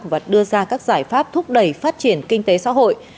và đưa ra các giải pháp thúc đẩy phát triển kinh tế xã hội